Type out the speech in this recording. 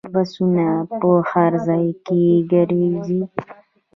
بسونه په هر ځای کې ګرځي.